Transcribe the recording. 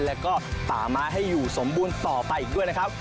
แล้วก็ป่าไม้ให้อยู่สมบูรณ์ต่อไปอีกด้วยนะครับ